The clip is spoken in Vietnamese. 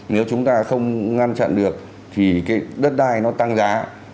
nếu chúng ta không ngăn chặn được thì cái đất đai nó tăng giá